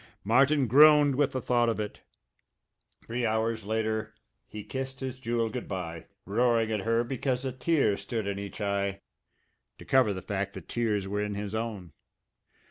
Martin groaned with the thought of it. Three hours later he kissed his Jewel good bye, roaring at her because a tear stood in each eye to cover the fact that tears were in his own.